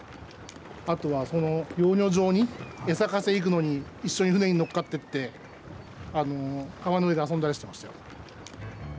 あとはその養魚場に餌かせ行くのに一緒に船に乗っかってって川の上で遊んだりしてましたよ。